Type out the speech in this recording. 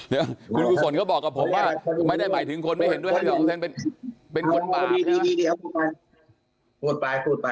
เดี๋ยวคุณกุศลก็บอกกับผมว่าไม่ได้หมายถึงคนไม่เห็นด้วย๕๒เป็นคนบาป